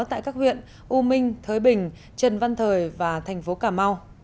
tại các huyện u minh thới bình trần văn thời và thành phố cà mau